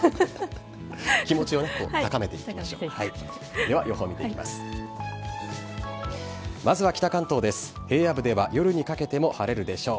気持ちを高めていきましょう。